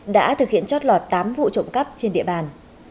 đã thực hiện chót lọt tám vụ trộm cắp trên địa bàn